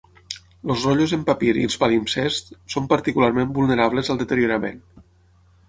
Els rotllos en papir i els palimpsests són particularment vulnerables al deteriorament.